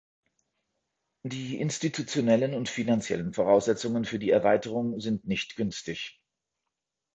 Die institutionellen und finanziellen Voraussetzungen für die Erweiterung sind nicht günstig.